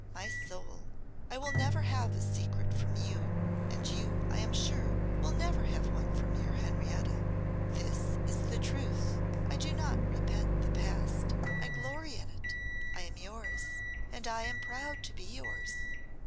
My soul, I will never have a secret from you, and you, I am sure, will never have one from your Henrietta. This is the truth; I do not repent the past, I glory in it; I am yours, and I am proud to be yours.